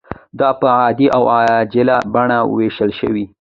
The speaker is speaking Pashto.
دا په عادي او عاجله بڼه ویشل شوې.